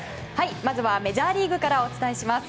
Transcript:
まずはメジャーリーグからお伝えします。